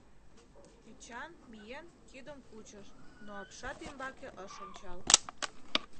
Эчан, миен, кидым кучыш, но апшат ӱмбаке ыш ончал.